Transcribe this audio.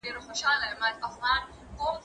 زه اوږده وخت مړۍ خورم